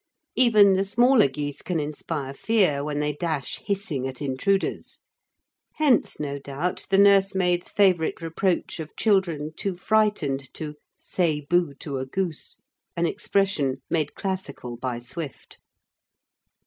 Even the smaller geese can inspire fear when they dash hissing at intruders; hence, no doubt, the nursemaid's favourite reproach of children too frightened to "say bo to a goose," an expression made classical by Swift.